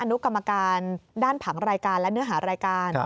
นุกรรมการด้านผังรายการและเนื้อหารายการ